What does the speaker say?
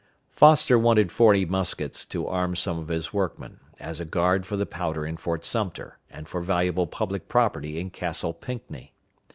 Foster wanted forty muskets to arm some of his workmen, as a guard for the powder in Fort Sumter, and for valuable public property in Castle Pinckney.